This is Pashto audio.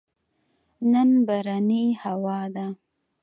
نن بارانې هوا ده